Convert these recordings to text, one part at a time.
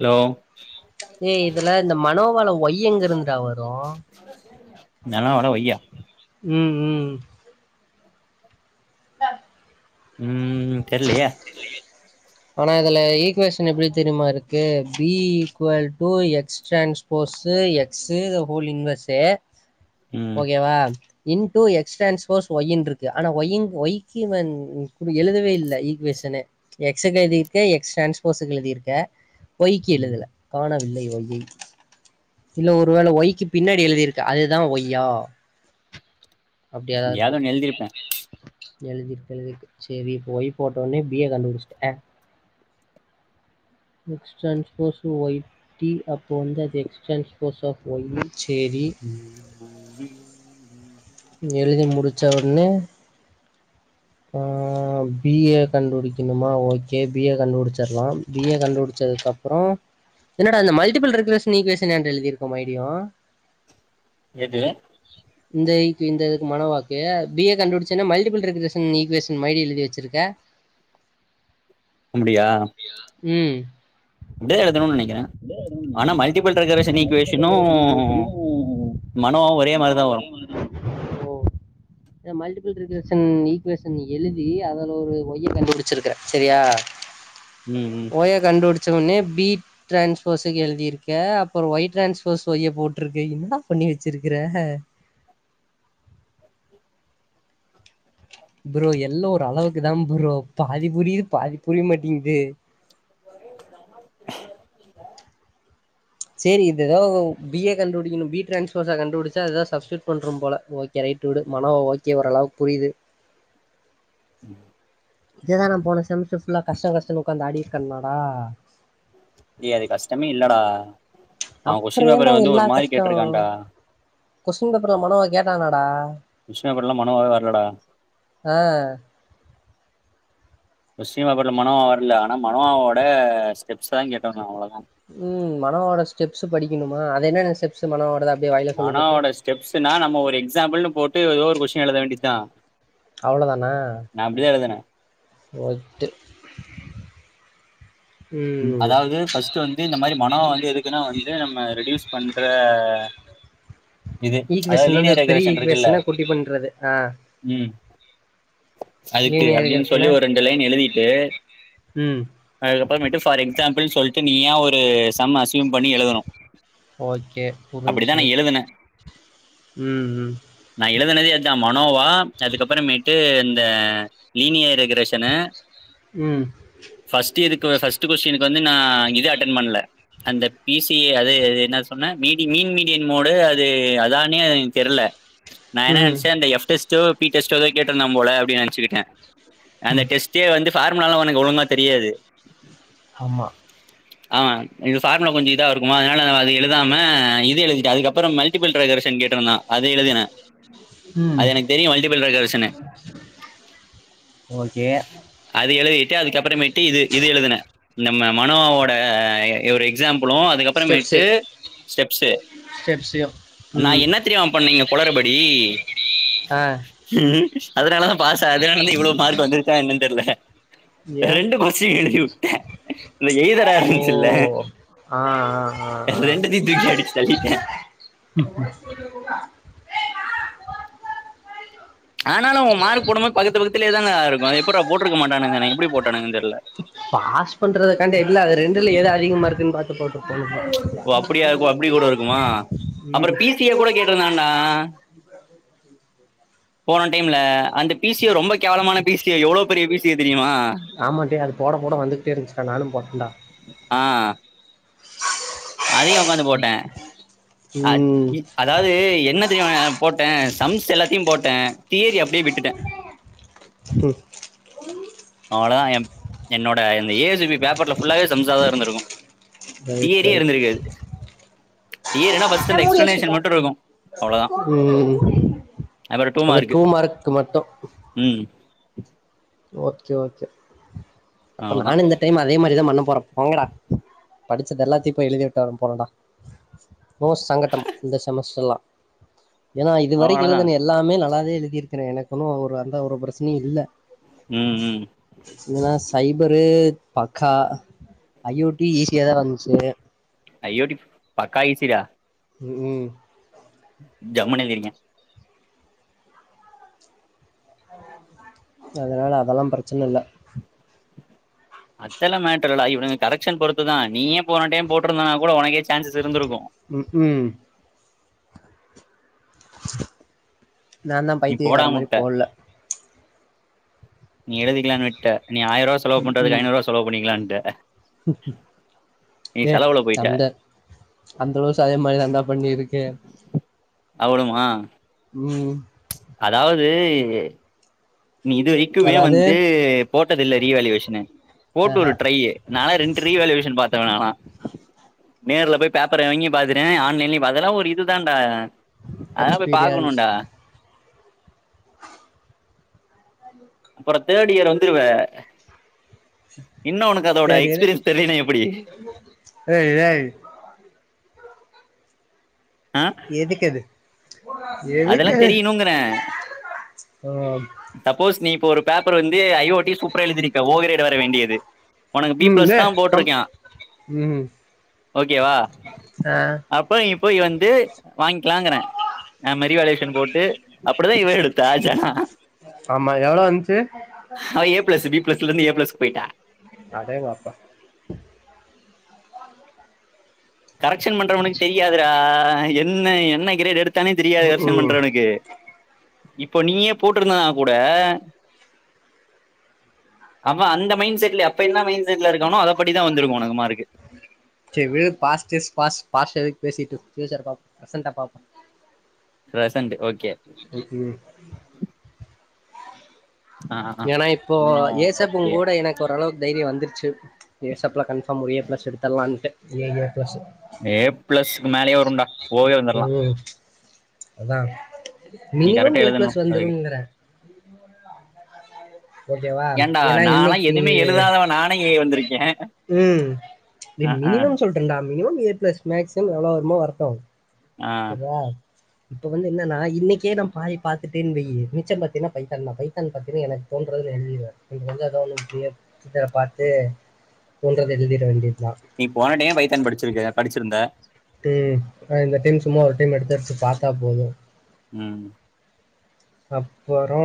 Hello ஏ் இதுல இந்த மனோவால ஒய் எங்கிருந்துறா வரும் [unintelligible] வரும் வையா ம் ம் [inaudible] ம் தெரிலியே ஆனா இதுல ஈக் க்குவேஷன் எப்படி தெரியுமா இருக்கு B equal to X transpose X the whole inverse ம் ஓகேவா இன் டூ எக்ஸ்டிரான்ஸ்போஸ் ஒய்யின்று இருக்கு ஆனா ஒயின் ஒய்க்கு நீ எழுதவே இல்ல ஈகுவேஷனே எக்ஸுக்கு எழுதிருக்க எக்ஸ் டிரான்ஸ் போஸீக்கு எழுதியிருக்க ஒய்க்கு ம் எழுதல காணல் இல்ல ஒய்யு.. இல்ல ஒருவேளை ஒய்க்கு பின்னாடி எழுதிருக்கு அதுதான் ஒய்யா அப்டியாதா இருக்கு யாருனு எழுதியிருப்பேன் எழுதிருக்கு எழுதிருக்கு சரி இப்ப ஒய் போட்டவுடனே நீயே கண்டுபிடிச்சிட்ட X transpose Y D upon the Z transpose of Y சரி ம் ஆ ம் எழுதி முடிச்சவுடேனே ஆ பிஏ கண்டுபிடிக்கணுமா ஓகே பி ஏ கண்டுபிடிச்சிடலாம் பி ஏ கண்டுபிடிச்சதுக்கு அப்புறம் என்னடா இந்த மல்டிபிள் ரீகரேஷன் ஈகுவேஷன் எழுதிருயிக்க மறுபடியும் எது இந்த ஈக் இந்த இதுக்கு மன வாக்கு பி ஏ கண்டுடிச்சன்ன மல்டிபிள் ரீகரேஷன் ஈகுவேஷன் மாதிரி எழுதி வச்சிருக்க அப்படியா ம் [unintelligible] ஆனா மல்டிபிள் ரெகரேஷன் ஈக்குவேஷனு மனோவு ஒரே மாரிதா வரு சன் ஈக்குவேஷன் எழுதி அதுல ஒரு ஒய்ய கண்டுபிடிச்சிருக்கற சரியா ம் ம் ஓய்ய கண்டுபிடிச்சு எடுத்த உடனே பி டிரான்ஸ் போஸ் எழுதிருக்க அப்புறம் ஒய் டிரான்ஸ் போஸ் ஒய் போட்டிருக்க என்னா பண்ணி வச்சிருக்கறே ப்ரோ எல்லா ஒரு அளவுக்கு தான் ப்ரோ பாதி புரியுது பாதி புரிய மாட்டேங்குது [unintelligible] செரி இத் எதோ பி ஏ கண்டுபிடிக்கனு பி டிரான்ஸ்போஸ கண்டுபிடிச்சு அதுதா ஸப்ஸ்டியூட் பண்றம் போல ஓகே ரைட்டு விடு மனவ் ஓகே ஓரளவுக் புரியுது உம் [unintelligible] இத தா நா போன செம்ஸ்டர் ஃபுல்லா கஷ்டோ கஷ்டோன் உக்காந்து ஆடிட் கன்னாடா ஏ அது கஷ்டமே இல்லடா அவ அப்புற கொஸ்டின் ஏன்டா பேப்பர வந்து எல்லா‌ ஒரு மாரி கஷ்டோ கேட்டிருக்கான்டா கொஸ்டின் பேப்பர்ல மனவ கேட்டானடா கொஷின் பேப்பர் ல மனமாவே வரலடா ஆ கொஷ்ட்ன் பேப்பர் ல மனவா வரல ஆனா மனோவாவோட ஸ்டெப்ஸ் தா கேட்டாங்க அவ்ளோதா உம் மனவோட ஸ்டெப்ஸ் படிக்கணுமா அது என்னன்ன ஸ்டெப்ஸ் மனவோடத மனாவோட ஸ்டெப்ஸ்னா நம்ம ஒரு எக்ஸாம்பிள்னு போட் டு எதோ ஒரு கொஸ்டின் எழுத வேண்டித் தா அவ்ளோ தானா [unintelligible] ம் அதாவ்து ஃபஸ்ட்டு வந்து இந்த மாரி மனவோ வந்து எதுக்குன்னா வந்து நம்ம ரெடியூஸ் பண்ற இது ச்ச் அதா ஈக்குவேஷன் வந்து லினியர் பெரிய டைகரேசன் இருக்குல ஈக்குவேஷன குட்டி பண்றது ஆ ம் அதுக்கு லீனியர் அப்டின் சொல்லி ஈக்குவேஷன ஒரு ரெண்டு லேன் எழுதிட்டு ம் அதுகப் றமேட்டு ஃபார் எக்ஸாம்பிள் சொல்ட்டு நீயா ஒரு சம் அஸ்யூம் பண்ணி எழுதணு ஓகே புரிஞச்சு உம் உம் ழுனதே இதா மனோவா அதுக்கப்புறமேட்டு இந்த லீனிய ரெகுரேஷனு உம் ஃபஸ்ட்டு கொஸ்டின்க் வந்து நா இது அட்டன் பண்ல அந்த பிசி அது என்ன சொன்ன மீடின் மீன் மீடியன் மோடு அது அதானே தெரில நா என்னா ம் நென்ச்ச அந்த எஃப் டெஸ்ட்டு பி டெஸ்டோ எதோ கேட்டுருந்தான் போல அப்டி நென்சிக்கிட்ட அந்த ம் டெஸ்டே வந்து ஃபார்முலா லா உனக்கு ஒழுங்கா தெரியாது ஆமா ஆமா இது ஃபார்முலா கொஞ்சோ இதா இருக்குமா அதனால எழுதாம இது எழுதிட்டு அதுக்கப் புறோ மல்டிபள் ரெகுரேஷன் கேட்டுருந்தா அத எழுதுன ம் அது எனக் தெரியு மல்டிபல் ரகரேஷனு ஓகே அது எழுதி ட்டு அதுக்கப்புறமேட்டி இது எழுதுன நம்ம மனோவாவோட ஒரு எக்ஸாம் புளோ ஸ்டெப்ஸு அதுக்கப்புறமேட்டு ஸ்டெப்ஸு ஸ்டெப்ஸயு நா ம் என்ன தெரிமா பண்ண இங்க கொளருபடி ஆ ம் அதனால பாஸ் அதுனால வந்து இவ்ளோ மார்க் வந்துருச்சா என்னன்ன தெருல ஏ ரெண்டு கொஸ் எழுதிவுட்டன் இந்த எய்தரா இருந்துச்சுல்லா ஆஹ் ஆஹ் ரெண்டுதையும் தூக்கி அடிச்சு தள்ளிட்டேன் ஆனாலும் உன் மார்க் போடும்போது பக்கத்து பக்கத்திலயே தான் இருக்கும் அது எப்புடுறா போட்டுருக்க மாட்டானுங்க தானே எப்டி போ பாஸ் பண்றதுக்காண்டு எதுல அது ரெண்டுல எது அ திக மார்க்குனு பார்த்து போட்டுருப்பானுங்க ஓ அப்டியா இருக்கும் அப்டி கூட இருக்குமா ம் அப்புறம் பி சி யே கூட கேட்டுருந்தான்டா போன டைம்ல அந்த பி சி யே ரொம்ப கேவலமான பி சி யே எவ்ளோ ஆமாடே அது போட போட வந்துகிட்டே இருந்துச்சுடா நானும் போட்டேன்டா ஆ அதையும் உக்காந்து போட்டேன் அ ம் இ அதாவது என்ன தெரியுமா போட் டேன் சம்ஸ் எல்லாத்தையும் போட்டேன் தீயரி அப்டியே விட்டுட்டேன் ம் அவ்ளோதான் என் என்னோட இந்த ஏ சி பி பேப்பர்ல ஃபுல்லாவே சம்சாதான் இருந்திருக்கும் ரைட் தீயரியே இருந்திருக்காது தியரினா ஃபர்ஸ்ட் அந்த எக்ஸ்பிளனேஷன் மட்டும் இருக்கும் அவ்வளோதான் உம் அந்த டூ மார்க் மட்டும் ஹ [inaudible] ஓகே ஓகே அப்ப அவ்வளோதான் நானும் இந்த டைம் அதே மாரிதான் பண்ண போறேன் போங்கடா படிச்சது எல்லாத்தையும் போய் எழுதி வுட்டு வர போறேன்டா நோ சங்கட்டம் இந்த செமஸ்டர்லாம் ஏன்னா இதுவரைக்கும் அவ்வளோதான் எழுதுண எல்லாமே நல்லாவே எழுதிருக்கிறேன் எனக்குகொன்னும் ஒரு அந்த ஒரு பிரச்சனையும் இல்ல ம் ம் ஐபரு பக்கா ஐ ஓ டி ஈஸியாக தான் வந்துச்சு அய்யோடி பக்கா ஈசி டா உம் உம் ஜம்முன்னு எழுதியிருக்கேன் அதனால அதெல்லாம் பிரச்சனை இல்லை அத்தெல்லாம் மேட்டர்ல்லடா இவனுங்க கரெக்க்ஷன் பொறுத்து தான் நீயே போன டைம் போட்டுருந்தனா கூட உனக்கே சான்சஸ் இருந்திருக்கும் க்ஹூம் [inaudible] நான் தான் நீ பைத்தியக்காரன் போடாம மாரி உட்ட போல நீ எழுதிக்கலான் விட்ட நீ ஆயிரரூவா செலவு ம் பண்ணறதுக்கு ம் ஐநூறுவ செலவு பண்ணிக்காலனு [inaudible] ஏ போயிட்ட சண்ட அந்தளவு [unintelligible] சண்ட பண்ணி இருக்கே அவ்லுமா உம் பேய் நீ இது வரிக்குமே அதாவது வந்தூ போட்டதில்லெ ரீவேல்யுவேஷ்னு போட்டு ஒரு ஆஹா ட்ரைய்யி நாலா ரெண்ரு ரீவேல்யுவேஷன் பாத் தேவயான நேர்ல போய் பேப்பரு வாங்கியூ பாத்துடே ஆன்லைன்லயூ பாத் அதலா ஒரு இதுதான்டா ஆ அதலா போய் எக்ஸ்பீரியன்ஸ் பாக்குணூன்டா அப்புறோ தேர்டு இயிர் வந்துருவே இன்னூ அவனுக் அதோடைய் தேர்ட் இயரு எக்ஸ்பிரியன்ஸ் தெர்லேனா எப்டி ஏய் ஏய் எதுக்கது அதெல்லா எதுக்கது தெரிய்ணூங்கறே ஆ சப்போஸ் நீ இப் இப்போ ஒரு பேப்பரு வந்து ஐ ஓ ட்டி சூப்பர எழுதிருக்க ஓ கிரேடு வர வேண்டியெது உனக்கு பி ம் பிளஸ் தா டேய் கம் போட்டுருக்கியா ம் ஓகேவா ஆ அப்பொய் இப்பொய் வந்து வாங்கிலாங்கறே நம்ம ரீவேல்யுவேஷன் போட்டு அப்டிதா இவ எடுத்தா ஜனா ஆம்மா எவ்ளோ வந்ச்சு அவ ஏ பிளஸ் பி பிலஸ்லந்து ஏ பிளஸ் போயிட்டா அடேங்காப்பா கரெக்ஷன் பண்ற உனுக் தெரியாதுரா என்னெய் என்ன கிரேடு எடுத் த்தனே தெரியாது ம் கரெக்ஷன் ம் பண்றவனுக்கு இப்பொ நீயே போட்டிருந்தனா கூடே அவ அந்த மெயிண்ட் செட்லெ அப்ப என்னா மெயிண்ட் நேம்ல இருக்கணு அதப் படிதா வந்திருக்கு உனக் னகுமா இருக்கு செர் விடு பாச்டிஸ் பாஸ்ட் பாஸ்ட்டு எதுக் பேசிட்டு பியூசர பாப் ப்ரெசென்ட பாப்பு ரெசென்ட் ஓக் எதுக்கு ஆ ஆ. ஏனா இப்போ இன்னும் ஏசப் ஓகே உங்கூட எனக்கு ஓரளவுக் தைரியம் வந்துர்ச் [unintelligible] ஏசப்லா கன்பாஃம் ஒரு ஏ பிளஸ் எடுத்துர்லான்ட் நீங்க ஏ பிளஸ் ஏ பிளஸ்க்கு மேலயே வரும்டா ஓவே வந்துரலா உம் அதா நீ மினிமம் கரெக்டா ஏ எழுதணு பிளஸ் அதுக்கு வந்துருங்கற ஓகேவா ஏண்டா ஏன்னா நாலா இன்னைக்கு எதுமே எழுதாதவ நானே இங்க வந்துருக்கே ம் நீ மினிமம் சொல்றேன்டா மினிமம் ஏ பிளஸ் மேக்ஸிம் எவ்ளோ வருமோ வரட்டு ஆ செர்ரா இப்ப வந்து என்னன்னா இன்னைக்கே நா பாய பாத்துட்டேன்னு வையு மிச்சோ பாத்தீங்கன்னா பைத்தான் தா பைத்தான் பாத்தீன்னா எனக்கு தோன்றதுலா எழுதிருவே எனக்கு வந்து [unintelligible] பார்த்து தோன்றது எழுதிட வேண்டியது நீ போன டைம் பைத்தான் படிச்சுருக்க படிச்சுருந்த ட்டு இந்த டைம் சும்மா ஒரு டைம் எடுத்து எடுத்து பாத்தா போதும் உம் அப்பரோ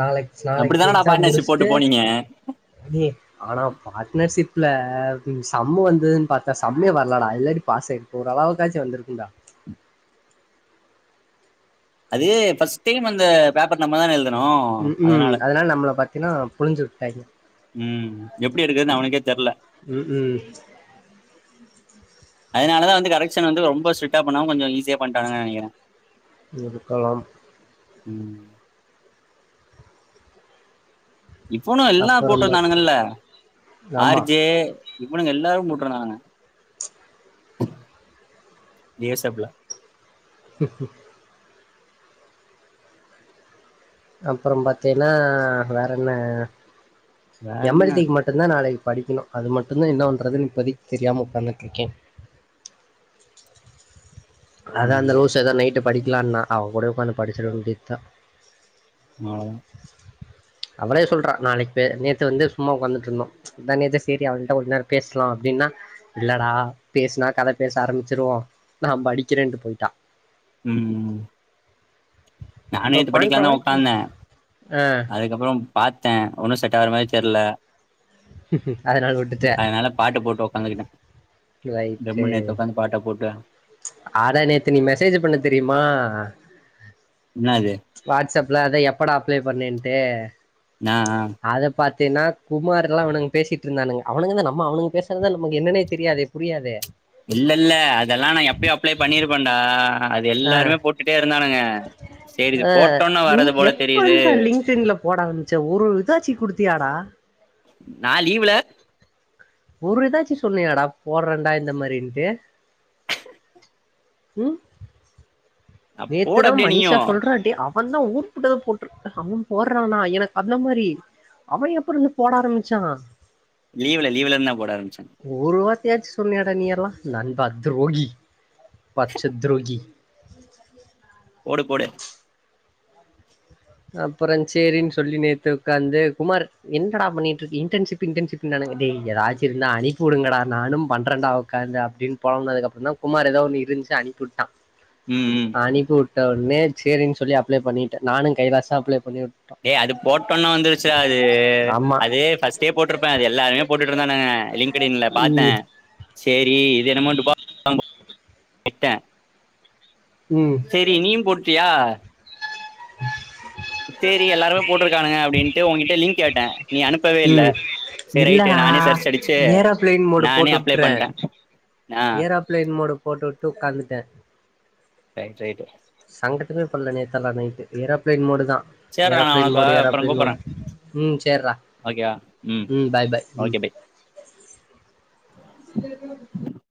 நாளைக் நாளைக்கு அப்படித்தானடா எக்ஸாம் பார்ட்னர்ஷிப் போட்டு முடிச்சுட்டு போனீங்க எ ஆனா பார்ட்னர்ஷிப்ல சம்மு வந்ததுன்னு பாத்தா சம்மே வர்லடா இல்லாடி பாஸ் ஆயிருக்கு ஓரளவுக்காச்சு வந்துருக்குன்டா அது பஸ்ட் டைம் அந்த பேப்பர் நம்மதான எழுதுனது உ உம் அதனால நம்மள பாத்தீன்னா புளிஞ்சுரு டைய ம் எப்புடி எடுக்குறதுன்னு அவனுக்கே தெர்ல உம் உம் அதனாலதா வந்து கரெக்ஷன் வந்து ரொம்ப ஸ்ட்ரீட்டா பண்ணாம கொஞ்சோ ஈஸியா பண்ணிட்டாங்கங்க நெனக்கிறே இருக்கலாம் உம் இவனு எல்லா அப்புறம் கூப்டுட்டு பாத் வந்தானுங்கல ஆர் ஆமா. ஜெ இவனுங்க எல்லாரு போட்ருகாங்க [unintelligible] உ அப்பறோ பாத்தீங்கன்னா வேற என்ன வேற எம் என்ன எல் டி-க்கு மட்டுதா நாளைக் படிக்கணு அது மட்டும்தா என்ன பண்றதுன்னு இப்போதைக் தெரியாம உட்காந்துட்டு இருக்கே அதா அந்த ம் நோட்ஸதா நைட்டு படிக் இல்ல அண்ணா அவகூட உட்காந்து படிச்சுர வேண்டியதா அவ்ளோதா அவளே சொல்றா நாளைக் பே நேத்து வந்து சும்மா உக்காந்துட்ருந்தோ முந்தா நேத்து சேரி அவள்ட்ட கொஞ் நேரோ பேசலா அப்டின்னா இல்லடா பேசுனா கதை பேச ஆரம்பிச்சிருவோ நா படி கிரெண்டு போயிட்டா ம் ம் நா அப்றோ நேத்து பண்ற படிக்கலான் தா வரைக்கு உக்காந்தே ஆ அதுக்கப்பறம் பாத்தே ஒன்னு செட் ஆவற மாரி தெர்ல அதனால விட்டுட்டே அதனால பாட்டு போட்டு ஒக்காந்துக்கிட்டே ஜம்முன் நேத்து உக்காந்து பாட்ட போட்டு அட நேத்து நீ மெசேஜ் பண்ண தெரியுமா என்னாது வாட்ஸ்அப்ல அத எப்படா அப்ளே பண்ணேன்ட்டு நா ஆஹ் த்தினா குமார் எல்லா இவுனுங் பேசிட்ருந்தானுங்க அவுனுங்க தா நம்ம அவுனுங் பேசுறதுதா நமக் என்னனே தெரியாதே புரியாதே இல்லல்ல அதல்லா நா எப்யோ அப்ளை பண்ணிருப்பன்டா அ சரி இது அ போட்டோன்னு நீ வர்றது போல எப்ப தெரியுது இருந்து சார் லிங்க்டின்ல போடா ஆரமிச்ச ஒரு இதாச்சி குடுத்தியாடா நா லீவுல ஒரு இதாச்சு சொன்னியாடா போட்றேண்டா இந்த மாதிரின்ட்டு ம் போடு நேத்துதா அப்படியே மனிஷா நீயும் சொல்றா டே அப் அவன் தா ஊருபட்டத போட்ருக் அவன் போட்றானா எனக்கு அந்த மாரி அவ எப்ப இருந்து போட ஆரம்பிச்சா லீவுல லீவுல இருந்து தா போட ஆரம்பிச்சங் எதாச்சு சொன்னியாடா நீ எல்லா நண்பா துரோகி பச்ச துரோகி [unintelligible] போடு போடு அப்பறோ சேரின் சொல்லி நேத்து உக்காந்து குமார் என்னடா பண்ணிட்ருக் இன்டர்ன்ஷிப் இன்டர்ன்ஷிப்ன்னானுங்க டே எதாச்சிருந்தா அனிப் உடுங்கடா நானு பண்றன்டா உக்காந்து அப்படின் பொலம்புனதுக் அப்பறோ தா குமார் ஏதோ ஒன்னு இருந்ச்சு அனிப்புட்டா ம் ம். அனிப்புட்டா உட்னே சேரின் சொல்லி அப்ளே பண்ணிட்ட நானு கைலாசு அப்ளே பண்ணிவுட் டே அது போட்டன்னோ வந்துருச்சுடா அது ஆமா அது ஃபஸ்ட்டே போட்ருப்பே அது எல்லார்மே போட்டுட் இருந்தானுக லிங்க்டின்ல பாத்தே ம் சேரி இது என்னமோ டுபா [inaudible] விட்டே ம் செரி நீயு போட்டியா டே உங்கிட்ட லிங்க் கேட்டே நீ அனுப்பவே இல்ல உம் சேரி ரைட்டு இல்லடா நானே சர்ச் அடிச்சு ஏரோப்பிளைன் மோடு நானே போட் அப்ளை உட்றே பண்ட்டே ஆ ஏரோப்பிளைன் மோடு போட் உட்டு உக்காந்துட்டே ரைட் ரைட்டு சங்கட்டமே பட்ல நேத்தல்லா நைட்டு ஏரோப்பிளைன் மோடு தா சேர்றா நா ஏரோப்பிளைன் உனக்கு மோடு அப்பறோ ஏரோப்பிளைன் கூப்பட்றே மோடு உம் சேர்றா ஓகேவா ம் உம் பாய் பாய் உம் ஓகே பை [inaudible]